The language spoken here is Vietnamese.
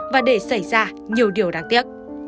và để xảy ra nhiều điều đáng tiếc